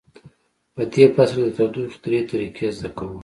په دې فصل کې د تودوخې درې طریقې زده کوو.